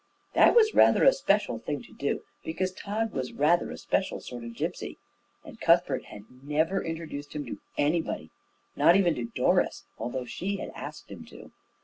That was rather a special thing to do, because Tod was rather a special sort of gipsy; and Cuthbert had never introduced him to anybody, not even to Doris, although she had asked him to.